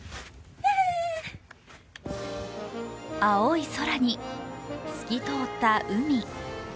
青い空に、透き通った海。